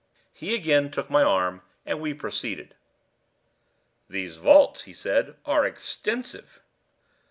He again took my arm, and we proceeded. "These vaults," he said, "are extensive."